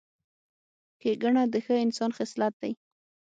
ښېګڼه د ښه انسان خصلت دی.